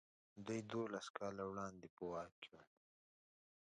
دوی دولس کاله وړاندې په واک کې وو.